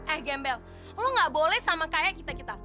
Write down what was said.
eh gembel lo gak boleh sama kayak kita kita